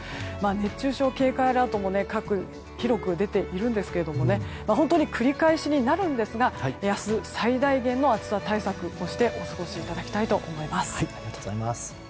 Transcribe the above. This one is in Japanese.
熱中症警戒アラートも広く出ているんですが繰り返しになるんですが明日、最大限の暑さ対策をしてお過ごしいただきたいと思います。